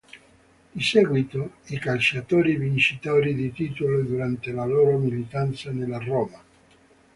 Di seguito i calciatori vincitori di titoli durante la loro militanza nella Roma.